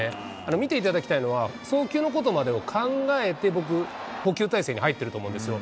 見ていただきたいのは、送球のことまでを考えて、僕、捕球体勢に入ってると思うんですよ。